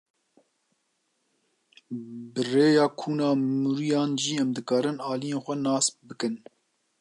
Bi rêya kuna mûriyan jî em dikarin aliyên xwe nas bikin.